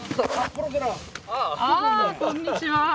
ああこんにちは。